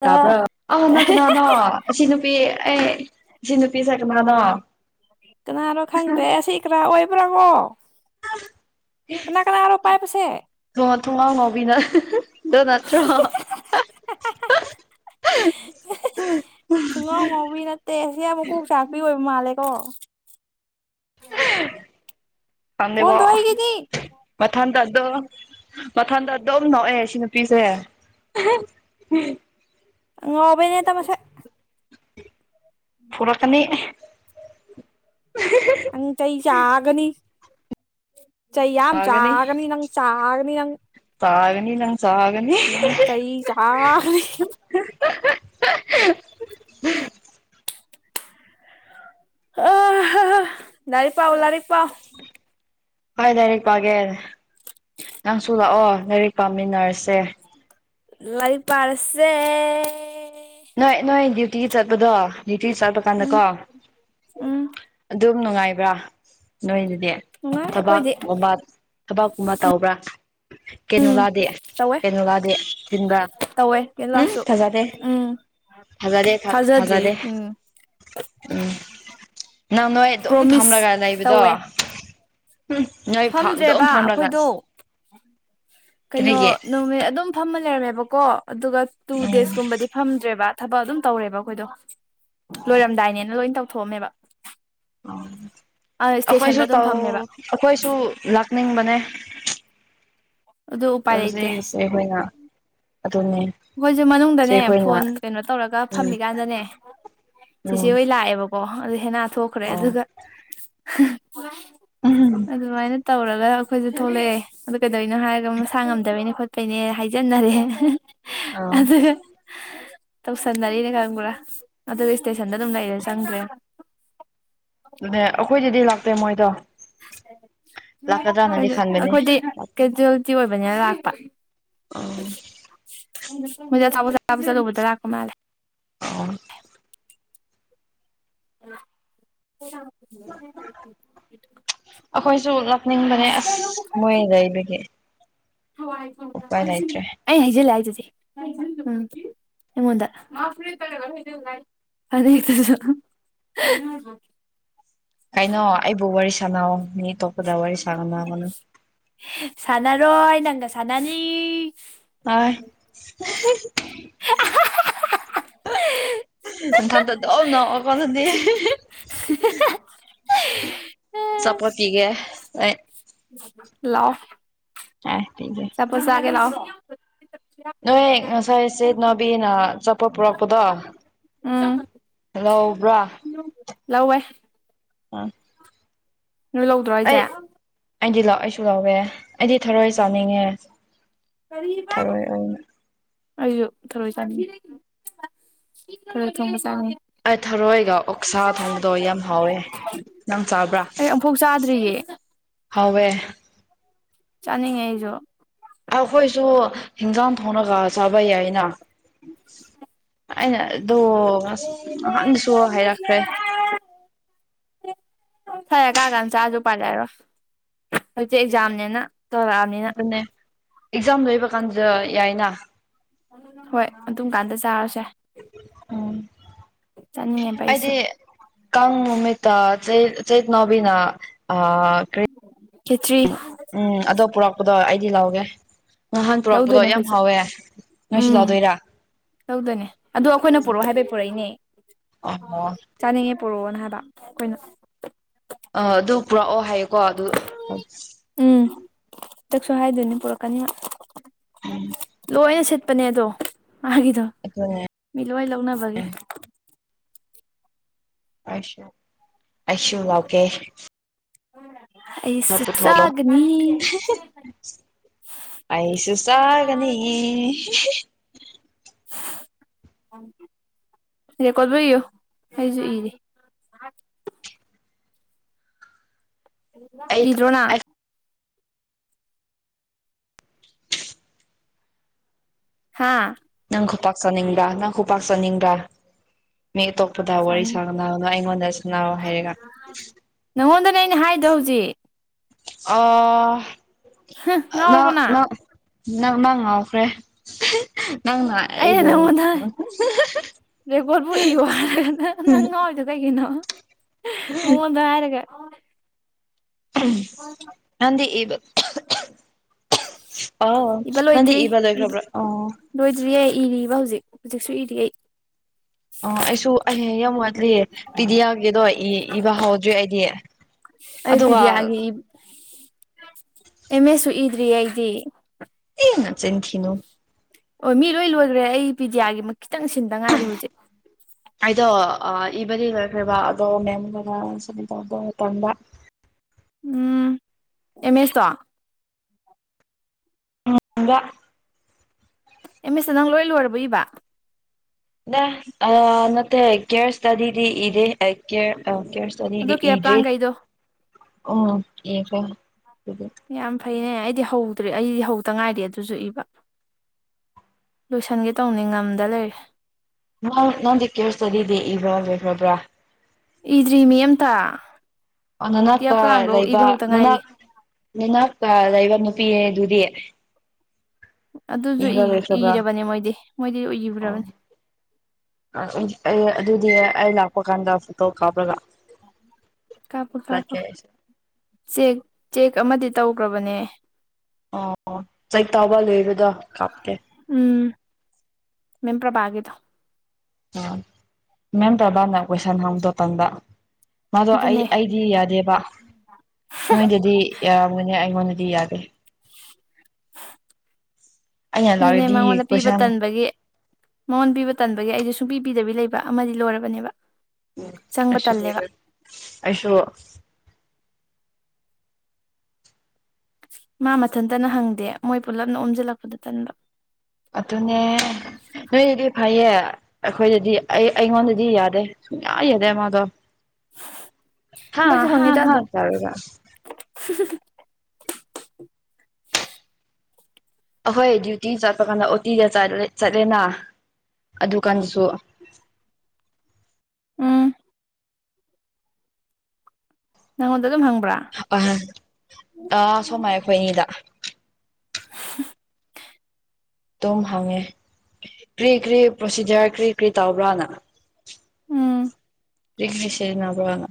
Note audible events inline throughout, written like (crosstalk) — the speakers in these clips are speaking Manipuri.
ꯑ ꯇꯥꯕ꯭ꯔꯣ ꯑꯣ ꯅ ꯪꯀꯅꯥꯅꯣ ꯑꯁꯤ ꯅꯨꯄꯤ ꯑꯦ ꯑꯁꯤ ꯅꯨꯄꯤꯁꯦ ꯀꯅꯥꯅꯣ ꯀꯅꯥꯅꯣ ꯈꯪꯗꯦ ꯑꯁꯤ ꯀꯔꯥ ꯑꯣꯏꯕ꯭ꯔꯥ ꯀꯣ ꯍ (inaudible) ꯀꯅꯥ ꯀꯅꯥꯅꯣ ꯄꯥꯏꯕꯁꯦ ꯊꯉ ꯊꯉ ꯑꯅꯣꯕꯤꯅ ꯗ ꯅꯠꯇ꯭ꯔꯣ (unintelligible) (inaudible) ꯊꯨꯟ (inaudible) ꯉꯥꯑꯣꯕꯤ ꯉꯥꯎꯕꯤ ꯅꯠꯇꯦ ꯑꯁꯤ ꯌꯥꯝ ꯃꯨꯀꯣꯛ ꯆꯥꯛꯄꯤ ꯑꯣꯏꯕ ꯃꯥꯜꯂꯦꯀꯣ ꯎꯝ (inaudible) ꯈꯪꯗꯦꯕꯣ ꯃꯊꯟꯇ ꯑꯗꯨꯝ (inaudible) ꯃꯊꯟꯗ ꯑꯗꯨꯝ ꯅꯣꯛꯑꯦ ꯁꯤ ꯅꯨꯄꯤꯁꯦ ꯑꯉꯧꯕꯤꯅꯦ ꯇ ꯃꯁꯦ ꯐꯨꯔꯛꯀꯅꯤ ꯑꯅꯤ ꯆꯩ ꯆꯥꯒꯅꯤ ꯆꯩ ꯌꯥꯝ ꯆꯥꯒꯅꯤ ꯅꯪ ꯆꯥꯒꯅꯤ ꯅꯪ ꯇꯥꯒꯅꯤ ꯅꯪ ꯆꯥꯒꯅꯤ (inaudible) ꯎꯝ ꯅꯪ ꯆꯩꯆꯥꯒꯅꯤ (inaudible) ꯑ ꯂꯥꯏꯔꯤꯛ ꯄꯥꯎ ꯂꯥꯏꯔꯤꯛ ꯄꯥꯎ ꯍꯣꯏ ꯂꯥꯏꯔꯤꯛ ꯄꯥꯒꯦ ꯅꯪꯁꯨ ꯂꯥꯛꯑꯣ ꯂꯥꯏꯔꯤꯛ ꯄꯥꯃꯤꯟꯅꯔꯁꯦ ꯂꯥꯏꯔꯤꯛ ꯄꯥꯔꯁꯦ ꯅꯣꯏ ꯅꯣꯏ ꯗ꯭ꯌꯨꯇꯤ ꯆꯠꯄꯗꯣ ꯗ꯭ꯌꯨꯇꯤ ꯆꯠꯄ ꯎꯝ ꯀꯥꯟꯗꯀꯣ ꯑꯗꯨ ꯎꯝ ꯑꯗꯨꯝ ꯅꯨꯡꯉꯥꯏꯕ꯭ꯔꯥ ꯅꯣꯏꯗꯨꯗꯤ ꯅꯨꯡꯉꯥꯏ ꯑꯩꯈꯣꯏꯗꯤ ꯊꯕꯥꯛꯒꯨꯝꯕ ꯊꯕꯛꯀꯨꯝꯕ ꯇꯧꯕ꯭ꯔꯥ ꯎꯝ ꯀꯦꯅꯣꯂꯥꯗꯤ ꯇꯧꯋꯦ ꯀꯦꯅꯣꯂꯥꯗꯤ ꯆꯤꯟꯕ꯭ꯔ ꯇꯧꯋꯦ ꯌꯦꯂꯥꯁꯨ ꯎꯝ ꯊꯖꯔꯦ ꯊ ꯊꯥꯖꯗ꯭ꯔꯤ ꯊꯖꯔꯦ ꯎꯝ ꯎꯝ ꯅꯪ ꯅꯣꯏ ꯑꯗꯨꯝ ꯄ꯭ꯔꯣꯃꯤꯁ ꯐꯝꯂꯒ ꯂꯩꯕꯗꯣ ꯇꯧꯋꯦ ꯎꯝ ꯅꯣꯏ ꯐꯥꯝ ꯐꯝꯗ꯭ꯔꯦꯕ ꯑꯗꯨꯝ ꯐꯥꯝꯂꯒ ꯑꯩꯈꯣꯏꯗꯣ ꯀꯩꯅꯣ ꯅꯨꯃꯤꯠ ꯑꯗꯨꯝ ꯐꯝꯃ ꯂꯩꯔꯝꯃꯦꯕꯀꯣ ꯑꯗꯨꯒ ꯇꯨ ꯎꯝ ꯗꯦꯖꯀꯨꯝꯕꯗꯤ ꯐꯝꯗ꯭ꯔꯦꯕ ꯊꯕꯛ ꯑꯗꯨꯝ ꯇꯧꯔꯦꯕ ꯑꯩꯈꯣꯏꯗꯣ ꯂꯣꯏꯔꯝꯗꯥꯏꯅꯦꯅ ꯂꯣꯏ ꯇꯧꯊꯣꯛꯑꯝꯃꯦꯕ ꯑꯣ ꯏꯁꯇꯦꯁꯟꯗ ꯑꯩꯈꯣꯏꯁꯨ ꯑꯗꯨꯝ ꯇꯧ ꯐꯝꯃꯦꯕ ꯑꯩꯈꯣꯏꯁꯨ ꯂꯥꯛꯅꯤꯡꯕꯅꯦ ꯑꯗꯨ ꯎꯄꯥꯏ ꯂꯩꯇꯦ ꯍꯧꯖꯤꯛꯁꯦ ꯑꯩꯈꯣꯏꯅ ꯑꯗꯨꯅꯦ ꯑꯩꯈꯣꯏꯁꯨ ꯁꯦ ꯃꯅꯨꯡꯗꯅꯦ ꯑꯩꯈꯣꯏꯅ ꯐꯣꯟ ꯀꯩꯅꯣ ꯇꯧꯔꯒ ꯎꯝ ꯐꯝꯃꯤꯀꯥꯟꯗꯅꯦ ꯁꯤꯁꯤꯦ ꯎꯝ ꯍꯣꯏ ꯂꯥꯛꯑꯦꯕꯣ ꯑꯣ ꯑꯗꯨ ꯍꯦꯟꯅ ꯊꯣꯛꯈ꯭ꯔꯦ ꯑꯣ ꯑꯗꯨꯒ ꯎꯝ ꯑꯗꯨꯃꯥꯏꯅ (inaudible) ꯇꯧꯔꯒ ꯑꯩꯈꯣꯏꯁꯨ ꯊꯣꯛꯂꯛꯑꯦ ꯑꯗꯨ ꯀꯩꯗꯧꯅꯣ ꯍꯥꯏꯔꯒ ꯃꯁꯥ ꯉꯝꯗꯕꯩꯅꯤ ꯈꯣ ꯀꯩꯅꯦ ꯍꯥꯏꯖꯟꯅꯔꯦ ꯑꯥ ꯑꯗꯨꯒꯥ ꯇꯧꯁꯟꯅꯔꯤꯅꯦ ꯈꯡꯕꯔꯥ ꯑꯗꯨꯒ ꯏꯁꯇꯦꯁꯟꯗ ꯑꯗꯨꯝ ꯂꯩꯔ ꯆꯪꯗ꯭ꯔꯦ ꯅ ꯑꯩꯈꯣꯏꯗꯤꯗꯤ ꯂꯥꯛꯇꯦ ꯃꯣꯏꯗꯣ ꯂꯥꯛꯀꯗ꯭ꯔꯅꯗꯤ ꯈꯟꯕꯅꯦ ꯑꯩꯈꯣꯏꯗꯤ ꯀꯦꯖꯨꯋꯦꯂꯤꯇꯤ ꯑꯣꯏꯕꯅꯤꯅ ꯂꯥꯛꯄ ꯃꯣꯏꯗꯦ ꯊꯥꯕꯠꯠ ꯊꯥ ꯆꯠꯂꯨꯕꯗ ꯂꯥꯛꯄ ꯃꯥꯜꯂꯦ ꯑꯣ ꯎ ꯑꯩꯈꯣꯏꯁꯨ ꯂꯥꯛꯅꯤꯡꯕꯅꯦ ꯑꯁ ꯃꯣꯏꯗ ꯍꯋꯥ ꯍꯥꯏ ꯎꯄꯥꯏ ꯂꯩꯇ꯭ꯔꯦ ꯑꯩ ꯍꯥꯏꯖꯂꯦ ꯍꯥꯏꯖꯁꯦ ꯎꯝ ꯃꯗ ꯀꯩꯅꯣ ꯑꯩꯕꯨ ꯋꯥꯔꯤ ꯁꯥꯟꯅꯑꯣ ꯃꯤ ꯑꯇꯣꯞꯄꯗ ꯋꯥꯔꯤ ꯁꯥꯥꯟꯅꯅꯒꯅ ꯁꯥꯟ ꯅꯥꯔꯣꯏ ꯅꯪꯒ ꯁꯟ ꯅꯥꯅꯤ ꯑ ꯊꯥꯟꯗ ꯇꯝ ꯅ ꯀꯅꯗꯤ (inaudible) ꯆꯄꯇꯒ ꯑ ꯂꯑꯣ ꯑ ꯊꯦ (inaudible) ꯇꯄꯣꯁꯥꯒꯦ ꯂꯑꯣ (inaudible) (inaudible) ꯅꯣꯏ ꯉꯁꯥꯏꯁꯦ ꯅꯅꯥꯕꯤꯅ ꯆꯠꯄ ꯄꯨꯔꯛꯄꯗꯣ ꯎꯝ ꯍꯜꯂꯣ ꯑꯣꯕ꯭ꯔꯥ (inaudible) ꯂꯧꯋꯦ (inaudible) ꯑꯥ (inaudible) ꯅꯣꯏ ꯂꯧꯗ꯭ꯔꯣ ꯑꯩꯁꯦ ꯑꯩ ꯑꯩꯗꯤ ꯂꯥꯛꯑꯣ ꯑꯩꯁꯨ ꯂꯥꯛꯋꯦ ꯑꯩꯗꯤ ꯊꯔꯣꯏ ꯆꯥꯅꯤꯡꯉꯦ ꯀꯔꯤꯕ ꯊꯔꯣꯏ ꯑꯣꯏꯅ ꯑꯩꯁꯨ ꯊꯔꯣꯏ ꯆꯥꯅꯤꯡꯉꯤ ꯈꯔ ꯊꯣꯡꯕ ꯆꯥꯅꯤꯡ ꯑꯩ ꯊꯔꯣꯏꯒ ꯑꯣꯛꯁꯥ ꯊꯣꯡꯕꯗꯣ ꯌꯥꯝ ꯍꯥꯎꯋꯦ ꯅꯪ ꯆꯥꯕ꯭ꯔꯥ ꯊꯣꯛꯣꯛ ꯆꯥꯗ꯭ꯔꯤꯍꯦ ꯐꯋꯦ ꯆꯥꯅꯤꯡꯉꯦ ꯑꯩꯁꯨ ꯑꯩꯈꯣꯏꯁꯨ ꯍꯤꯟꯖꯥꯡ ꯊꯣꯡꯅꯒ ꯆꯥꯕ ꯌꯥꯏꯅ ꯑꯩꯅ ꯑꯗꯣ ꯑꯍꯥꯟꯅꯁꯨ ꯍꯥꯏꯔꯛꯈ꯭ꯔꯦ ꯐꯔ ꯀꯥ ꯀꯥꯟ ꯆꯦꯥꯁꯨ ꯄꯥꯏꯂ ꯍꯥꯏꯔꯣ ꯂꯩꯒꯦ ꯇꯧꯔꯛꯑꯕꯅꯤꯅ ꯑꯗꯨꯅꯦ ꯑꯦꯛꯖꯥꯝ ꯂꯣꯏꯕ ꯀꯥꯟꯗ ꯌꯥꯏꯅ ꯍꯣꯏ ꯑꯗꯨꯝ ꯀꯥꯟꯗ ꯆꯥꯔꯁꯦ ꯎꯝ ꯆꯠꯅꯤꯡꯉꯦꯕ ꯑꯩꯁꯨ ꯀꯪ ꯅꯨꯃꯤꯇ ꯆ ꯆꯩꯠ ꯅꯕꯤꯅꯥ ꯀ ꯈꯦꯇ꯭ꯔꯤ ꯎꯝ ꯑꯗꯣ ꯄꯨꯔꯛꯄꯗꯣ ꯑꯩꯗꯤ ꯂꯥꯛꯑꯣꯒꯦ ꯉꯍꯥꯟ ꯄꯨꯣꯔꯛꯄꯗꯣ ꯂꯧꯗꯣꯏꯅꯦ ꯌꯥꯝ ꯑꯩꯈꯣꯏꯁꯨ ꯍꯥꯎꯋꯦ ꯉꯥꯏꯁꯨ ꯂꯥꯎꯗꯣꯏꯔꯥ ꯇꯗꯅꯦ ꯑꯗꯣ ꯑꯩꯈꯣꯏꯅ ꯄꯨꯔꯛꯑꯣ ꯍꯥꯏꯕꯩ ꯄꯨꯔꯛꯏꯅꯦ ꯑꯣ ꯆꯥꯅꯤꯡꯉꯦ ꯄꯣꯔꯛꯑꯣꯅ ꯍꯥꯏꯕ ꯑꯩꯈꯣꯏꯅ ꯑ ꯑꯗꯨ ꯄꯨꯔꯛꯑꯣ ꯍꯥꯏꯌꯨꯀꯣ ꯑꯗꯨ ꯎꯝ ꯍꯇꯛꯁꯨ ꯍꯥꯏꯗꯣꯏꯅꯤ ꯄꯨꯔꯛꯀꯅꯤ ꯂꯣꯏꯅ ꯁꯤꯠꯄꯅꯦ ꯑꯗꯣ ꯃꯥꯒꯤꯗꯣ ꯑꯗꯨꯅꯦ ꯃꯤꯂꯣꯏ ꯂꯧꯅꯕꯒꯤ ꯑꯁ ꯑꯩꯁꯨ ꯂꯧꯀꯦ ꯍꯅ (unintelligible) ꯆꯠ ꯊꯣꯂꯣ (inaudible) ꯑꯩꯁꯨꯆꯥꯒꯅꯤ ꯔꯦ ꯀꯣꯠ ꯂꯣꯏ ꯏꯌꯨ ꯑꯩꯁꯨ ꯏꯔꯤ ꯑꯩ ꯏꯇ꯭ꯔꯣ ꯅꯪ ꯑꯩ ꯍꯥꯥ ꯅꯪ ꯈꯨ ꯄꯥꯛ ꯆꯅꯤꯡꯕ꯭ꯔ ꯅꯪ ꯈ ꯄꯥꯛ ꯆꯅꯤꯡꯕ꯭ꯔ ꯃꯤꯇꯣꯞ ꯄꯗ ꯋꯥꯔꯤ ꯆꯥꯅꯤꯡ ꯁꯥꯅ ꯅꯣ ꯑꯩꯉꯣꯟꯗ ꯁꯥꯅꯑꯣ ꯍꯥꯏꯔꯒ ꯎ (inaudible) ꯅꯪꯉꯣꯟꯗꯅꯦ ꯑꯩꯅ ꯍꯥꯏꯗꯣ ꯍꯧꯖꯤꯛ ꯑꯣ ꯍ ꯉꯥꯎꯔꯕꯣ ꯅꯪ ꯅꯪꯅ ꯉꯥꯎꯈ꯭ꯔꯦ ꯅꯪꯅ ꯑꯩꯕꯨ ꯔꯦꯀꯣꯠ ꯕꯨꯛ ꯏꯌꯣ ꯍꯥꯏꯔꯒ ꯅ ꯪ ꯉꯥꯎꯔꯤꯗꯣ ꯀꯩꯒꯤꯅꯣ ꯃꯥꯉꯣꯟꯗ ꯍꯥꯏꯔꯒ ꯅꯪꯗꯤ ꯏꯕ ꯑ ꯏꯕ ꯅꯪꯗꯤ ꯂꯣꯏꯗ꯭ꯔꯤ ꯏꯕ ꯂꯣꯏꯈ꯭ꯔꯕ꯭ꯔꯣ ꯑꯣ ꯂꯣꯏꯗ꯭ꯔꯤꯌꯦ ꯏꯔꯤꯕ ꯍꯧꯖꯤꯛ ꯍꯧꯖꯤꯛꯁꯨ ꯏꯔꯤ ꯑꯩ ꯑꯣ ꯑꯩꯁꯨ ꯑꯩ ꯃꯌꯥꯝ ꯋꯥꯠꯂꯤ ꯄꯤꯗꯤ ꯌꯥꯒꯦꯗꯣ ꯏꯕ ꯍꯥꯎꯗ꯭ꯔꯤ ꯑꯩꯗꯤ ꯑꯩ ꯑꯗꯨꯒ ꯕꯤꯗ꯭ꯌꯥꯒꯤ ꯏ ꯑꯦꯝꯁꯦꯏ ꯁꯨ ꯏꯗ꯭ꯔꯤ ꯑꯩꯗꯤ ꯏ ꯅꯆꯤꯟ ꯊꯤꯅꯨ ꯑꯣ ꯃꯤ ꯂꯣꯏ ꯂꯣꯏꯈ꯭ꯔꯦ ꯑꯩ ꯄꯤꯗꯤꯌꯥꯒꯤ ꯈꯤꯇꯪ ꯁꯤꯟꯗ ꯉꯥꯏꯔꯤ ꯍꯧꯖꯤꯛ ꯑꯩꯗꯣ ꯏꯕꯗꯤ ꯂꯣꯏꯈ꯭ꯔꯦꯕ ꯑꯗꯣ ꯃꯦꯝꯅ ꯁꯥꯏꯟ ꯇꯧꯕ ꯃꯇꯝꯗ ꯎꯝ ꯑꯦꯝ ꯑꯦꯁꯇꯣ ꯎꯗ (inaudible) ꯑꯦꯝ ꯑꯦꯁꯇꯣ ꯅꯪ ꯂꯣꯏ ꯂꯣꯏꯔꯕ ꯏꯕ ꯅꯠꯇꯦ ꯀꯦꯔ ꯁꯇꯗꯤꯗꯤ ꯏꯗ ꯀꯦ ꯀꯦꯔ ꯆꯔꯤꯗꯤ ꯑꯗꯣ ꯀꯦꯌꯔ ꯏꯗ꯭ꯦ ꯄ꯭ꯂꯥꯟꯈꯩꯗꯣ ꯎꯝ ꯌꯦꯒ ꯑꯗꯨ (inaudible) ꯌꯥꯝ ꯐꯩꯅꯦ ꯑꯩꯗꯤ ꯍꯧꯗ꯭ꯔꯦ ꯑꯩꯗꯤ ꯍꯧꯗ ꯉꯥꯏꯔꯤ ꯑꯗꯨꯁꯨ ꯏꯕ ꯂꯣꯏꯁꯟꯒꯦ ꯇꯧꯕꯅꯤ ꯉꯝꯗ ꯂꯩꯔꯦ ꯅꯪꯗꯤ ꯀꯦꯔꯁꯗꯗꯤꯇꯤ ꯏꯕ ꯂꯣꯏꯈ꯭ꯔꯕ꯭ꯔꯥ ꯏꯗ꯭ꯔꯤ ꯃꯤ ꯑꯝꯇ ꯑꯣ ꯅꯅꯥꯛꯗ ꯀꯦꯌꯔ ꯄ꯭ꯂꯥꯟꯐꯧ ꯂꯩꯕ ꯏꯕ ꯍꯧꯗ ꯉꯥꯏꯔꯤ ꯅꯅꯥꯛ ꯅꯅꯥꯛꯗ ꯂꯩꯕ ꯅꯨꯄꯤ ꯑꯗꯨꯗꯤ ꯑꯗꯨꯁꯨ ꯂꯣꯏꯈ꯭ꯔꯕ꯭ꯔꯥ ꯏꯔꯕꯅꯦ ꯃꯣꯏꯗꯤ ꯃꯣꯏꯗꯤ ꯑꯣ ꯏꯈ꯭ꯔꯕꯅꯤ ꯑꯗꯨꯗꯤ ꯑꯩ ꯂꯥꯛꯄ ꯀꯥꯟꯗ ꯐꯣꯇꯣ ꯀꯥꯞꯂꯒ ꯀꯥꯞꯄꯨ ꯀꯥꯞꯄꯨ ꯆꯦꯛ ꯆꯦꯛ ꯑꯃꯗꯤ ꯇꯧꯈ꯭ꯔꯕꯅꯦ ꯆꯩ ꯇꯧꯕ ꯂꯣꯏꯕꯗꯣ ꯀꯥꯞꯀꯦ ꯎꯝ ꯃꯦꯝ ꯄ꯭ꯔꯕ ꯀꯤꯗꯣ ꯃꯦꯝ ꯄꯔꯕꯥꯅ ꯀꯣꯏꯁꯟ ꯍꯥꯡꯗꯣꯇꯟꯗ ꯃꯥꯗꯣ ꯑꯗꯨꯅꯦ ꯑꯩ ꯗꯤ ꯌꯥꯗꯦꯕ ꯅꯣꯏꯗꯗꯤ ꯌꯥꯔꯝꯒꯅꯤ ꯑꯩꯉꯣꯟꯗꯗꯤ ꯌꯥꯗꯦ ꯑꯩꯅ ꯑꯗꯨꯅꯦ ꯂꯥꯛꯔꯗꯤ ꯃꯉꯣꯟꯗ ꯄꯤꯕ ꯀꯣꯏꯁꯟ ꯇꯟꯕꯒꯤ ꯃꯉꯣꯟ ꯄꯤꯕ ꯇꯟꯕꯒꯤ ꯑꯩꯁꯨ ꯁꯨꯡ ꯄꯤ ꯄꯤꯗꯕꯤ ꯂꯩꯕ ꯑꯃꯗꯤ ꯂꯣꯏꯔꯕꯅꯦꯕ ꯎꯝ ꯆꯪꯕ ꯑꯩꯁꯨ ꯇꯜꯂꯦꯕ ꯂꯣꯏꯔꯦ ꯑꯁꯣ ꯃꯥ ꯃꯊꯟꯇꯅ ꯍꯪꯗꯦ ꯃꯣꯏ ꯄꯨꯜꯂꯞꯅ ꯑꯣꯝꯁꯤꯜꯂꯛꯄꯗ ꯇꯟꯕ ꯑꯗꯨꯅꯦ ꯅꯣꯏꯗꯤ ꯐꯩꯌꯦ ꯑꯩꯈꯣꯏꯗꯗꯤ ꯑꯩ ꯑꯩꯉꯣꯟꯗꯗꯤ ꯌꯥꯗꯦ ꯁꯨꯡꯌꯥ ꯌꯥꯗꯦ ꯃꯥꯗꯣ ꯍꯥ ꯑꯩꯈꯣꯏꯁꯨ ꯍꯥ ꯍꯪꯉꯤꯗ ꯍ ꯑꯗꯨꯝ ꯇꯧꯔꯒ (unintelligible) ꯑꯩꯍꯣꯏ ꯗ꯭ꯌꯨꯇꯤ ꯆꯠꯄ ꯀꯥꯟꯗ ꯑꯣꯇꯤꯗ ꯆꯠꯂꯦꯅ ꯑꯗꯨ ꯀꯥꯟꯗꯁꯨ ꯎꯝ ꯅꯪꯉꯣꯟꯗ ꯑꯗꯨꯝ ꯍꯪꯕ꯭ꯔꯥ (unintelligible) ꯑꯥ ꯁꯣꯃꯥꯏ ꯑꯩꯈꯣꯏ ꯑꯅꯤꯗ (inaudible) ꯑꯗꯨꯝ ꯍꯪꯉꯦ ꯀ꯭ꯔꯤ ꯀ꯭ꯔꯤ ꯄ꯭ꯔꯣꯁꯤꯖꯔ ꯀ꯭ꯔꯤ ꯀ꯭ꯔꯤ ꯇꯧꯕ꯭ꯔꯥꯅ ꯎꯝ (unintelligible) ꯅꯥꯕ꯭ꯔꯅ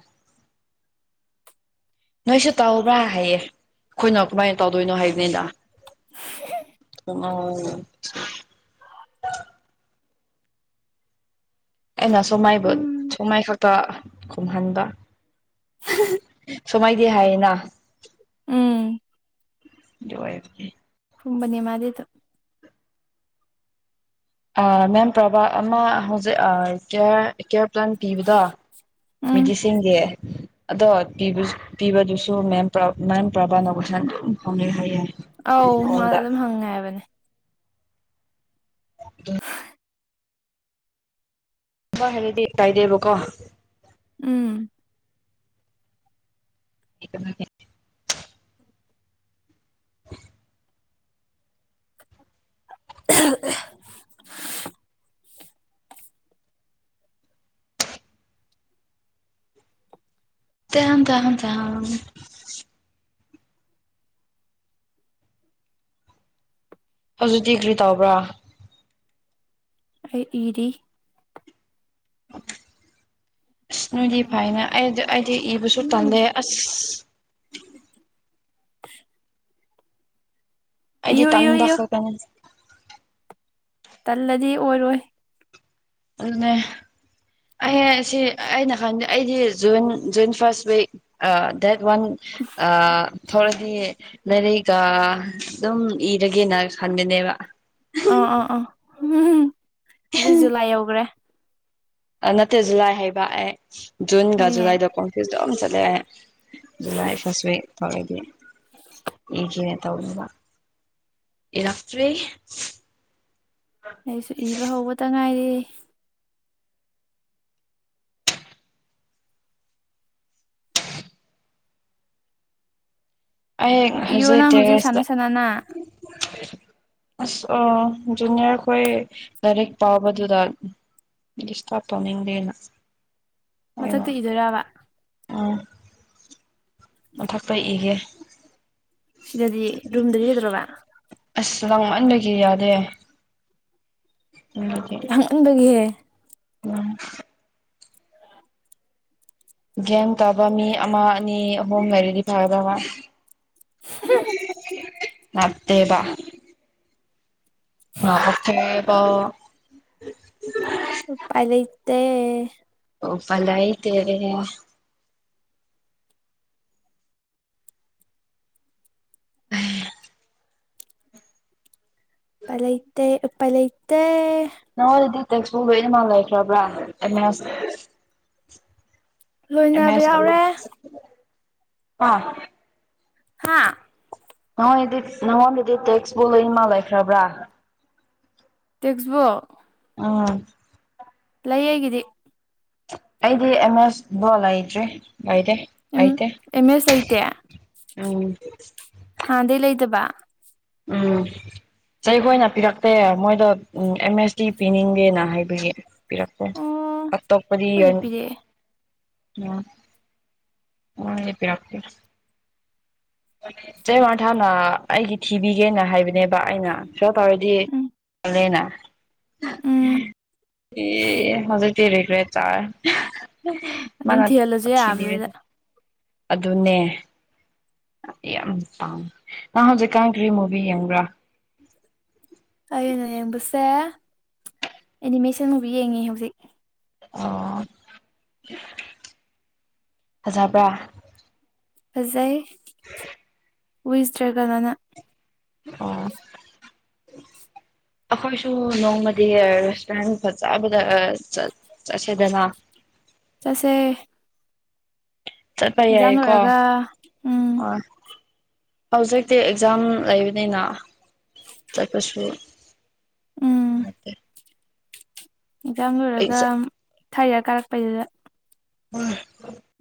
ꯅꯣꯏꯁꯨ ꯇꯧꯕ꯭ꯔꯥ ꯍꯥꯏꯌꯦ ꯑꯩꯈꯣꯏꯅ ꯀꯃꯥꯏꯅ ꯇꯧꯗꯣꯏꯅꯣ ꯍꯥꯏꯕꯅꯤꯗ ꯑꯣꯝ (unintelligible) ꯑꯩꯅ ꯁꯣꯃꯥꯏꯕꯨ ꯎꯝ ꯁꯣꯃꯥꯏ ꯈꯥꯠ ꯇ ꯈꯨꯝꯍꯟꯕ ꯁꯨꯃꯥꯏꯗꯤ ꯍꯥꯏꯌꯦꯅ ꯎꯝ (unintelligible) ꯈꯨꯝꯕꯅꯦ ꯃꯥꯗꯤ ꯍꯦꯛꯇꯥ ꯃꯦꯝ ꯄ꯭ꯔꯚ ꯑꯃ ꯍꯧꯖꯤꯛ ꯑꯥ ꯀꯦ ꯀꯦ ꯀꯥꯟ ꯄꯤꯕꯗꯣ ꯎꯝ ꯃꯦꯗꯤꯁꯤꯟꯒꯤ ꯑꯗꯣ ꯄꯤꯕꯁꯨ ꯄꯤꯕꯗꯨꯁꯨ ꯃꯦꯝ ꯄ꯭ꯔꯥꯕ ꯃꯦꯝ ꯄ꯭ꯔꯥꯕꯅ ꯀꫭꯏꯁꯅ ꯑꯗꯨꯝ ꯍꯪꯏꯑꯦ ꯍꯥꯏꯌꯦ ꯑꯧ ꯃꯥꯗꯤ ꯑꯩꯉꯣꯟꯗ ꯑꯗꯨꯝ ꯍꯪꯉꯦ ꯍꯥꯏꯕꯅꯦ (unintelligible) ꯍꯥꯏꯔꯗꯤ ꯀꯥꯏꯗꯦꯕꯀꯣ ꯎꯝ (unintelligible) (inaudible) (inaudible) (unintelligible) ꯍꯧꯖꯤꯛꯇꯤ ꯀꯔꯤ ꯇꯧꯕ꯭ꯔꯥ ꯑꯩ ꯏꯔꯤ ꯑꯁ ꯅꯣꯏꯗꯤ ꯐꯥꯏꯅꯦ ꯑꯩ ꯑꯩꯗꯤ ꯏꯕꯁꯨ ꯎꯝ ꯇꯜꯂꯦ ꯑꯁ ꯑꯗꯤ ꯏꯌꯨ ꯏꯌꯨ ꯇꯥꯟꯕ ꯏꯌꯨ ꯈꯠꯇꯥꯅꯦ ꯇꯜꯂꯗꯤ ꯑꯣꯏꯔꯣꯏ ꯑꯗꯨꯅꯦ ꯑꯩ ꯁꯤ ꯑꯩꯅ ꯈꯪꯗꯦ ꯑꯩꯗꯤ ꯖꫭꯏꯟ ꯖꫭꯏꯟ ꯐꯥꯔꯁ ꯋꯤꯛ ꯑꯥ ꯗꯦꯠ ꯋꯥꯟ ꯑꯥ ꯊꫭꯔꯛ ꯑꯗꯤ ꯂꯥꯏꯔꯩꯒ ꯑꯗꯨꯝ ꯏꯔꯒꯦꯅ ꯈꯟꯕꯅꯦꯕ ꯑꯥ ꯑꯥ ꯑꯥ ꯍꯧꯖꯤꯛ ꯖꯨꯂꯥꯏ ꯌꯧꯈ꯭ꯔꯦ ꯅꯠꯇꯦ ꯖꯨꯂꯥꯏ ꯍꯩꯕꯑ ꯖꯨꯟꯒ ꯍꯣꯏꯅꯦ ꯖꯨꯂꯥꯏꯗ ꯀꯣꯡꯐ꯭ꯌꯨꯁ ꯑꯗꯨꯝ ꯆꯠꯂꯦ ꯖꯨꯂꯥꯏ ꯐꯁ ꯋꯤꯛ ꯐꯥꯎꯔꯗꯤ ꯏꯒꯦꯅ ꯇꯧꯕꯅꯦꯕꯥ ꯏꯂꯥꯛꯇꯔꯤ ꯑꯩꯁꯨ ꯏꯕ ꯍꯧꯕꯇ ꯉꯥꯏꯔ (inaudible) ꯑꯩ ꯏꯌꯣ ꯅꯪ ꯍꯧꯖꯤꯛ ꯇꯦꯔꯦꯁꯇ ꯁꯥꯟꯅꯁꯥꯟꯅꯅ ꯑꯁ ꯑ ꯖꯨꯅꯤꯌꯔꯈꯣꯏ ꯂꯥꯏꯔꯤꯛ ꯄꯥꯕꯗꯨꯗ ꯗꯤꯁꯇꯥꯞ ꯇꯧꯅꯤꯡꯗꯦꯅ ꯃꯊꯛꯇ ꯏꯗꯣꯏꯔꯕ ꯑꯥ ꯃꯊꯛꯇ ꯏꯒꯦ ꯁꯤꯗꯗꯤ ꯔꯨꯝꯗꯗꯤ ꯀꯩꯗ꯭ꯧꯔꯕ ꯑꯁ ꯂꯥꯡ ꯃꯟꯕꯒꯤ ꯌꯥꯗꯦ (unintelligible) ꯎꯗꯒꯤ (unintelligible) ꯎꯝ ꯒꯦꯝ ꯇꯥꯕ ꯃꯤ ꯑꯃ ꯑꯅꯤ ꯑꯍꯨꯝ ꯂꯩꯔꯗꯤ ꯐꯔꯗꯧꯕꯥ ꯅꯠꯇꯦꯕ ꯑ ꯑꯣꯀꯦ ꯕꯣ (unintelligible) ꯎꯄꯥꯏ ꯂꯩꯇꯦ ꯑꯣꯄꯥꯏ ꯂꯩꯇꯦ ꯎꯄꯥꯏ ꯂꯩꯇꯦ ꯎꯄꯥꯢ ꯂꯩꯇꯦ ꯅꯪꯉꯣꯟꯗꯗꯤ ꯇꯦꯛꯁꯕꯨꯛ ꯂꯣꯏꯅꯃꯛ ꯂꯩꯈ꯭ꯔꯕ꯭ꯔꯥ ꯑꯦꯅꯦꯁ ꯂꯣꯏꯅꯕ ꯌꯥꯎꯔꯦ (inaudible) ꯍꯥꯥ ꯅꯣꯏꯗꯤ ꯅꯉꯣꯟꯗꯩꯩꯗꯤ ꯇꯦꯛꯁꯕꯨꯛ ꯂꯣꯏꯃꯛ ꯂꯩꯈ꯭ꯔꯕ꯭ꯔꯥ ꯇꯦꯁꯛꯕꯣ ꯑ ꯂꯩꯌꯦ ꯑꯩꯒꯤꯗꯤ ꯑꯩꯗꯤ ꯑꯦꯝ ꯑꯁ ꯕꯣ ꯂꯩꯇ꯭ꯔꯤ ꯂꯩꯇꯦ ꯑꯦꯝ ꯂꯩꯇꯦ ꯑꯦꯝ ꯑꯦꯁ ꯂꯩꯇꯦ ꯑꯧ (unintelligible) ꯍꯥꯟꯗꯩ ꯂꯩꯗꯕ ꯎꯝ ꯆꯩꯈꯣꯏꯅ ꯄꯤꯔꯛꯇꯦ ꯃꯣꯏꯗꯣ ꯑꯦꯝ ꯑꯦꯁ ꯇꯤ ꯄꯤꯅꯤꯡꯗꯦꯅ ꯍꯥꯏꯕꯒꯤ ꯄꯤꯔꯛꯄꯣꯟ ꯑꯣ ꯑꯩꯈꯣꯏꯗꯤ ꯑꯇꯣꯞꯄꯗꯤ (unintelligible) ꯄꯤꯔꯛꯑꯦ ꯎ ꯑꯣ ꯄꯔꯛꯇꯦ (unintelligible) ꯆꯩ ꯋꯥ ꯊꯥꯅ ꯑꯩꯒꯤ ꯊꯤꯕꯤꯒꯦꯅ ꯍꯥꯏꯕꯅꯦꯕ ꯑꯩꯅ ꯈꯔ ꯇꯧꯔꯗꯤ ꯎꯝ ꯂꯦꯅ ꯎꯝ (unintelligible) ꯑꯦ ꯍꯥꯎꯖꯤꯛꯇꯤ ꯔꯤꯒꯔ꯭ꯦꯠ ꯆꯥꯔꯦ ꯑꯗꯨꯝ ꯃꯥꯅ ꯊꯤꯍꯜꯂꯁꯨ ꯌꯥꯕꯗꯨꯗ ꯊꯤꯕꯤꯔꯗꯤ ꯑꯗꯨꯅꯦ ꯌꯥꯝ ꯄꯥꯝ ꯅꯪ ꯍꯧꯖꯤꯛꯀꯥꯟ ꯀꯔꯤ ꯃꯨꯚꯤ ꯌꯦꯡꯕ꯭ꯔꯥ ꯑꯩꯅ ꯌꯦꯡꯕꯁꯦ ꯑꯦꯅꯤꯃꯦꯁꯟ ꯃꯨꯚꯤ ꯌꯦꯡꯉꯤ ꯍꯧꯖꯤꯛ ꯑꯣ ꯐꯖꯕꯔ꯭ꯥ ꯐꯖꯩ ꯋꯤꯁꯇ꯭ꯔꯒꯜ ꯑꯅ ꯑꯥ (inaudible) ꯑꯩꯈꯣꯏꯁꯨ ꯅꯣꯡꯃꯗꯤ ꯔꯦꯁꯇꯨꯔꯦꯟ ꯐꯖꯕꯗ ꯆꯠ ꯆꯠꯁꯦꯗꯅ ꯆꯠꯁꯦ ꯆꯠꯄ ꯑꯦꯛꯖꯥꯝ ꯌꯥꯏ ꯀꯣ ꯂꯣꯏꯔꯒ ꯎꯝ ꯑ ꯍꯧꯖꯤꯛꯇꯤ ꯑꯦꯛꯖꯥꯝ ꯂꯩꯕꯅꯤꯅ ꯆꯠꯄꯁꯨ ꯎꯝ ꯃ (inaudible) ꯑꯦꯛꯖꯥꯝ ꯂꯣꯏꯔꯒ ꯆꯠ ꯊꯩꯔ ꯀꯥꯔꯛꯄꯩꯗꯨꯗ (inaudible)